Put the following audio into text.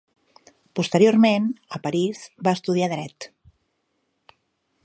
Posteriorment, a París, va estudiar dret.